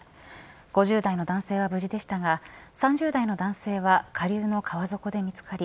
５０代の男性は無事でしたが３０代の男性は下流の川底で見つかり